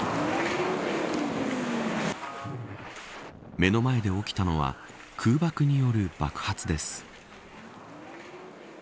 目の前で起きたのは空爆による爆発です。